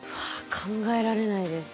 考えられないです。